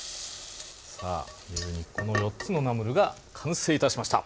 この４つのナムルが完成いたしました。